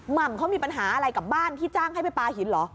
่ำเขามีปัญหาอะไรกับบ้านที่จ้างให้ไปปลาหินเหรอ